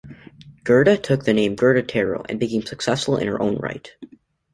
Gerda took the name Gerda Taro and became successful in her own right.